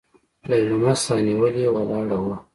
ليلما سانيولې ولاړه وه.